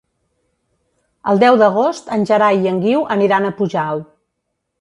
El deu d'agost en Gerai i en Guiu aniran a Pujalt.